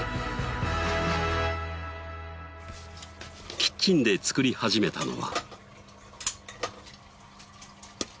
キッチンで作り始めたのは。